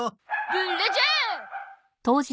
ブ・ラジャー！